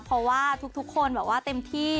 เพราะว่าทุกคนเต็มที่